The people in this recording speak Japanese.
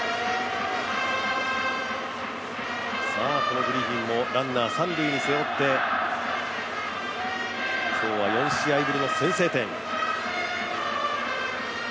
このグリフィンもランナー、三塁を背負って今日は４試合ぶりの先制点。